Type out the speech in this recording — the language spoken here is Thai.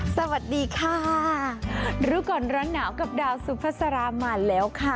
สวัสดีค่ะรู้ก่อนร้อนหนาวกับดาวสุภาษามาแล้วค่ะ